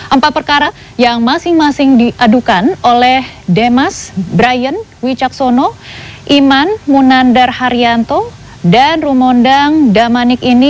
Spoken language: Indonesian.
empat perkara yang masing masing diadukan oleh demas brian wicaksono iman munandar haryanto dan rumondang damanik ini